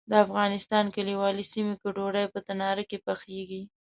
د افغانستان کلیوالي سیمو کې ډوډۍ په تناره کې پخیږي.